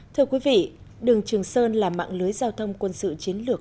thưa quý vị đường trường sơn là mạng lưới giao thông quân sự chiến lược